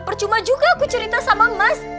percuma juga aku cerita sama mas